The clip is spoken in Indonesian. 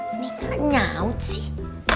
ini nggak nyaut sih